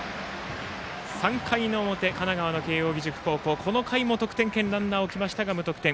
３回の表、神奈川の慶応義塾高校この回も得点圏にランナーを置きましたが無得点。